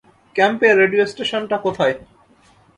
ক্যাম্পের রেডিও স্টেশনটা কোথায়?